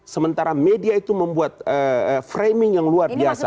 sementara media itu membuat framing yang luar biasa